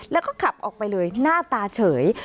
แล้วก็ขับออกไปเลยหน้าตาเฉย